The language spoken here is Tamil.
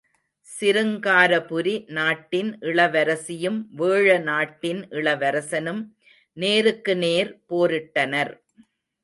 சிருங்காரபுரி நாட்டின் இளவரசியும் வேழநாட்டின் இளவரசனும் நேருக்கு நேர் போரிட்டனர்.